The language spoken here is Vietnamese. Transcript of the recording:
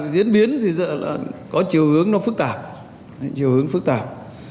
điều hướng phức tạp